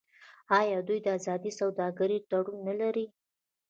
آیا دوی د ازادې سوداګرۍ تړون نلري؟